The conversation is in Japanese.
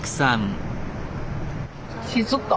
静か。